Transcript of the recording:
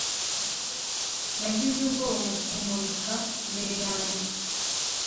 Nagize ubwoba mu kumurika mbere yanjye